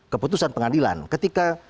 keputusan pengadilan ketika